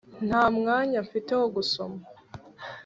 nta mwanya mfite wo gusoma